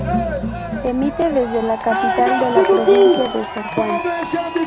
Emite desde la capital de la provincia de San Juan.